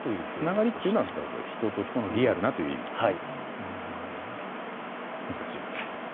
つながりというのは人と人のリアルなという意味ですね。